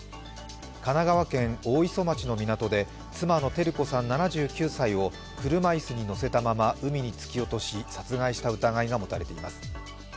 神奈川県大磯町の港で妻の照子さん７９歳を車椅子に乗せたまま海に突き落とし殺害した疑いが持たれています。